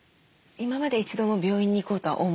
今まで一度も病院に行こうとは。